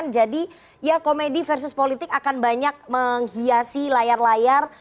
jadi ya komedi versus politik akan banyak menghiasi layar layar